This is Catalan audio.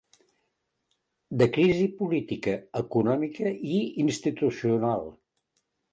De crisi política, econòmica i institucional.